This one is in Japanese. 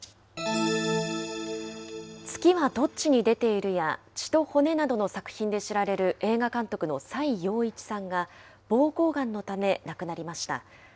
月はどっちに出ているや血と骨などの作品で知られる映画監督の崔洋一さんが、ぼうこうがんのため亡くなりました。